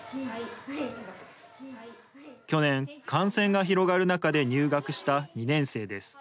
去年、感染が広がる中で入学した２年生です。